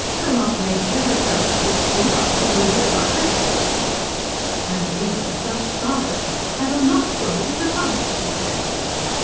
Will not Nature herself teach thee what to do with buckets?" Annalise flushed scarlet. "I will not go to the pump," she said.